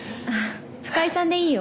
「深井さん」でいいよ。